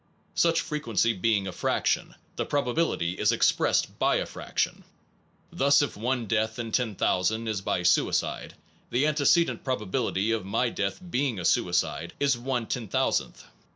Such fre quency being a fraction, the probability is expressed by a fraction. Thus, if one death in 10,000 is by suicide, the antecedent probability of my death being a suicide is l 10,000th.